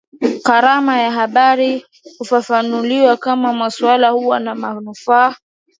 Karama ya habari hufafanuliwa kama maswala kuwa na manufaa